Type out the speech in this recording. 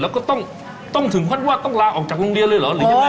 แล้วก็ต้องถึงว่าต้องลาออกจากโรงเรียนเลยเหรอ